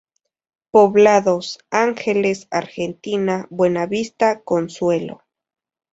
Poblados: Ángeles, Argentina, Buenavista, Consuelo.